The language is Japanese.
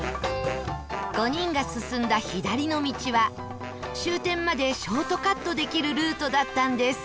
５人が進んだ左の道は終点までショートカットできるルートだったんです